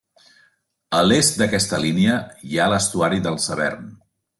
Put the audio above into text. A l'est d'aquesta línia hi ha l'estuari del Severn.